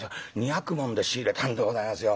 ２百文で仕入れたんでございますよ。